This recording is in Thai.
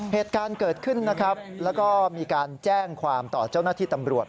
เหตุการณ์เกิดขึ้นนะครับแล้วก็มีการแจ้งความต่อเจ้าหน้าที่ตำรวจ